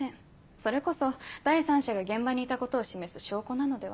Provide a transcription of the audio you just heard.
それこそ第三者が現場にいたことを示す証拠なのでは？